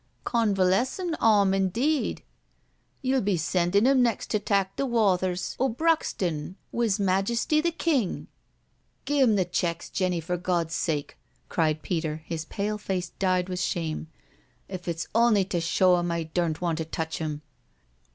" Convalescen' 'Ome indeed I Ye'U be sendin' 'im next to tak' the wathers o' Buxton wi's Majisty the King I'* " Gie 'im the checks, Jenny, for Gawd's sake/' cried Peter, his pale face dyed with shame, " if it's on'y to show 'im I dum't want to touch 'em."